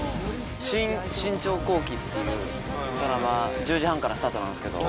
『新・信長公記』っていうドラマ１０時半からスタートなんですけど。